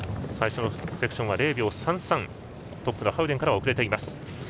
最初のセクションは０秒３３トップのハウデンからは遅れています。